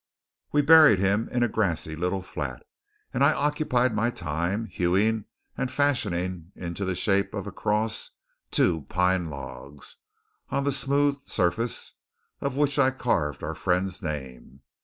We buried him in a grassy little flat; and I occupied my time hewing and fashioning into the shape of a cross two pine logs, on the smoothed surface of which I carved our friend's name.